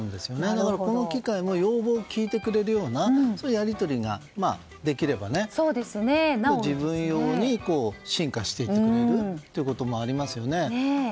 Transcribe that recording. だからこの機械も要望を聞いてくれるようなそういうやり取りができれば自分用に進化していくこともありますよね。